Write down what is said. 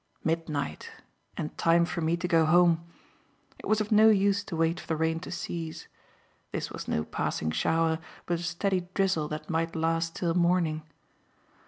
Midnight! and time for me to go home. It was of no use to wait for the rain to cease. This was no passing shower, but a steady drizzle that might last till morning.